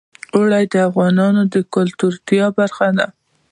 اوړي د افغانانو د ګټورتیا برخه ده.